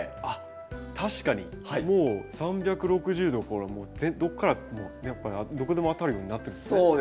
あっ確かにもう３６０度どこからでもどこでも当たるようになってるんですね。